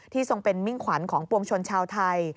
ทรงเป็นมิ่งขวัญของปวงชนชาวไทย